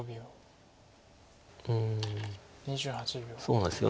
そうなんです。